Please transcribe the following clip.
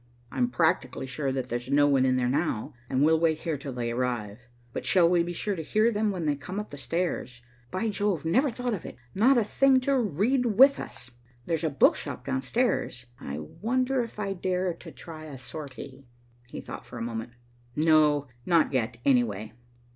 "I'm practically sure that there's no one in there now, and we'll wait here till they arrive. We shall be sure to hear them when they come up the stairs. By Jove, never thought of it. Not a thing to read with us. There's the book shop downstairs; I wonder if I dare to try a sortie." He thought a moment. "No, not yet, anyway.